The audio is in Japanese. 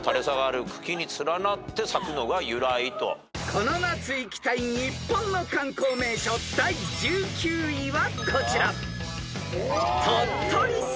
［この夏行きたい日本の観光名所第１９位はこちら］